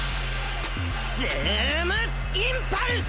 ズームインパルス！